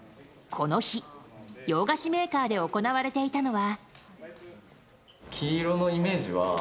この日、洋菓子メーカーで行われていたのは。